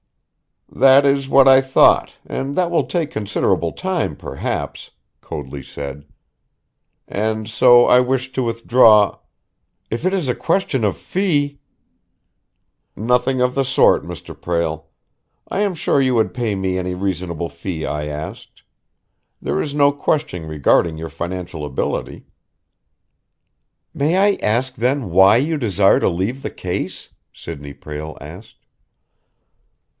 "That is what I thought, and that will take considerable time, perhaps," Coadley said. "And so I wish to withdraw " "If it is a question of fee " "Nothing of the sort, Mr. Prale. I am sure you would pay me any reasonable fee I asked. There is no question regarding your financial ability." "May I ask, then, why you desire to leave the case?" Sidney Prale asked.